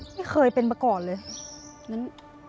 ตื่นสิตาย